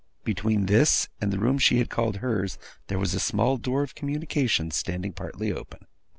Between this, and the room she had called hers, there was a small door of communication, standing partly open.